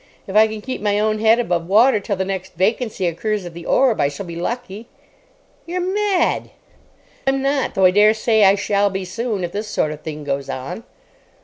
If I can keep my own head above water till the next vacancy occurs at the Orb I shall be lucky." "You're mad." "I'm not, though I dare say I shall be soon, if this sort of thing goes on."